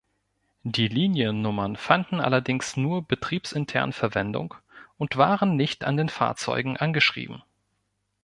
Die Liniennummern fanden allerdings nur betriebsintern Verwendung und waren nicht an den Fahrzeugen angeschrieben.